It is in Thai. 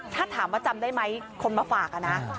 ถ้าถามว่าจำได้ไหมคนมาฝากนะ